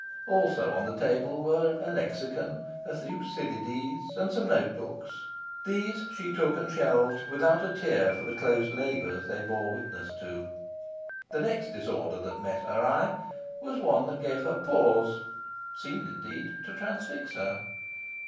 Also on the table were a lexicon, a Thucydides, and some note books. These she took and shelved without a tear for the closed labours they bore witness to. The next disorder that met her eye was one that gave her pause seemed, indeed, to transfix her.